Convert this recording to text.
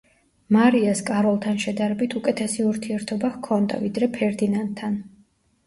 მარიას კაროლთან შედარებით უკეთესი ურთიერთობა ჰქონდა, ვიდრე ფერდინანდთან.